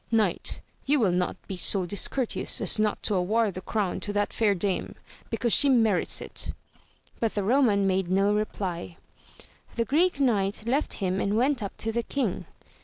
Knight you will not be so discourteous as not to award the crown to that fair dame, because she merits it ! but the Roman made no reply. The Greek Knight left him and went up to the king.